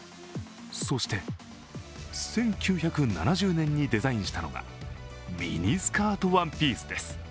そして１９７０年にデザインしたのがミニスカートワンピースです。